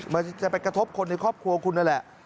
มันจะไปกระทบคนในครอบครัวคุณนั่นแหละ